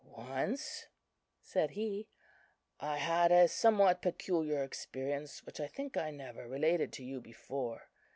"Once," said he, "I had a somewhat peculiar experience, which I think I never related to you before.